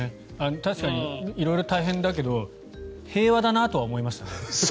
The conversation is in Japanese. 確かに、色々大変だけど平和だなとは思いましたね。